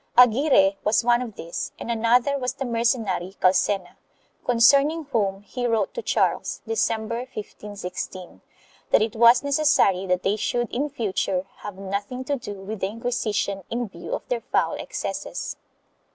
Aguirre was one of these and another was the mercenary Calcena, concerning whom he wrote to Charles, December, 1516, that it was necessary that they should in future have nothing to do with the Inquisition in view of their foul excesses.